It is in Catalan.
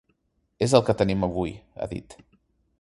És el que tenim avui, ha dit.